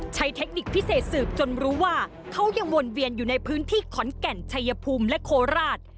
เทคนิคพิเศษสืบจนรู้ว่าเขายังวนเวียนอยู่ในพื้นที่ขอนแก่นชัยภูมิและโคราช